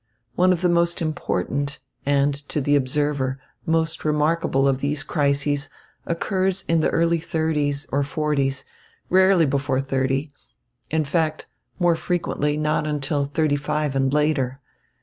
One of the most important and, to the observer, most remarkable of these crises occurs in the early thirties or forties, rarely before thirty; in fact, more frequently not until thirty five and later.